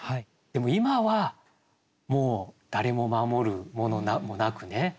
でも今はもう誰も守るものもなくね。